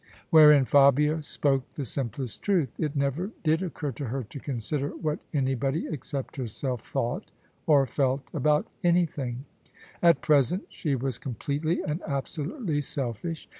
Wherein Fabia spoke the simplest truth. It never did occur to her to consider what anybody except her self thought or felt about anything : at present she was com pletely and absolutely selfish.